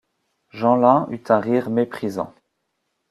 Jeanlin eut un rire méprisant.